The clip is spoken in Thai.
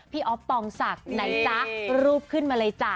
อ๊อฟปองศักดิ์ไหนจ๊ะรูปขึ้นมาเลยจ้ะ